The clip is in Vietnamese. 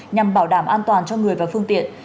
nhằm bảo đảm an toàn cho người và phương tiện